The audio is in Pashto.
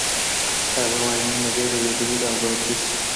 هغه وایی مینه ډېره ضروري ده او باید وشي